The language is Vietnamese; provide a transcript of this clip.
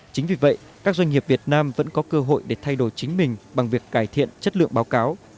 chính vì vậy các doanh nghiệp việt nam vẫn có cơ hội để thay đổi chính mình bằng việc cải thiện chất lượng báo cáo